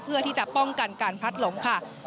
เพื่อที่จะป้องกันการพัดหลงค่ะ